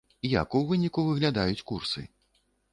Як у выніку выглядаюць курсы?